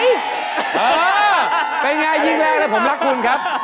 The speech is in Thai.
เออเป็นอย่างไรยิ่งแรกเลยผมรักคุณครับ